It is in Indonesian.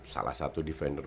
salah satu defender